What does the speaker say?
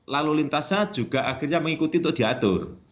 lalu lintasnya juga akhirnya mengikuti untuk diatur